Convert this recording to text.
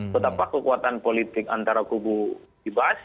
betapa kekuatan politik antara kubu ibas